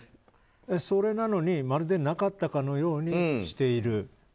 それなのに、まるでなかったかのようにしている。